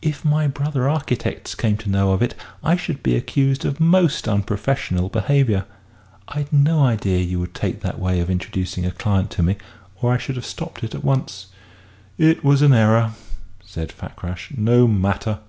If my brother architects came to know of it I should be accused of most unprofessional behaviour. I'd no idea you would take that way of introducing a client to me, or I should have stopped it at once!" "It was an error," said Fakrash. "No matter.